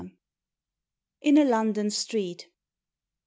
IN A LONDON STREET.